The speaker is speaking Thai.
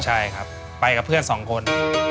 ใช่ครับไปกับเพื่อนสองคน